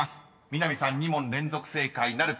南さん２問連続正解なるか。